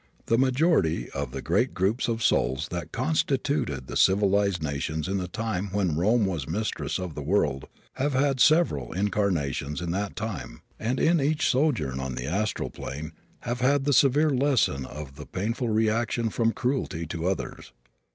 The majority of the great groups of souls that constituted the civilized nations in the time when Rome was mistress of the world have had several incarnations in that time and in each sojourn on the astral plane have had the severe lesson of the painful reaction from cruelty to others.